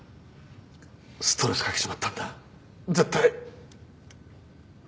ストレスかけちまったんだ絶対。